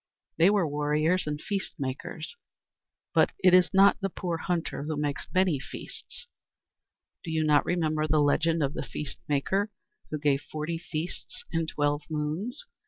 "They were warriors and feast makers. But it is not the poor hunter who makes many feasts. Do you not remember the 'Legend of the Feast Maker,' who gave forty feasts in twelve moons?